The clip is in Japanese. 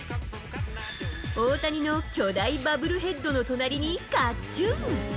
大谷の巨大バブルヘッドの隣に、かっちゅう。